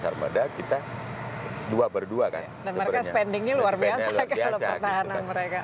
dan mereka spendingnya luar biasa kalau pertahanan mereka